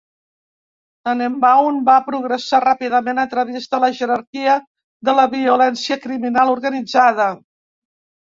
Tannenbaum va progressar ràpidament a través de la jerarquia de la violència criminal organitzada.